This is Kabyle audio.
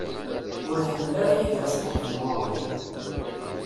Ur iḥemmel ara Yidir asṭuqqet n wawal.